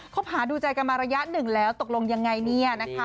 บหาดูใจกันมาระยะหนึ่งแล้วตกลงยังไงเนี่ยนะคะ